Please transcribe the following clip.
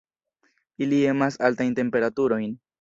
Ili emas altajn temperaturojn.